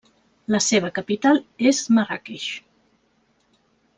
La seva capital és Marràqueix.